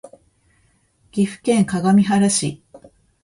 岐阜県各務原市